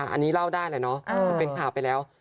อันนี้เล่าได้แหละเนาะมันเป็นข่าวไปแล้ว